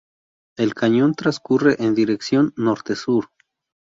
El cañón transcurre en dirección Norte-Sur.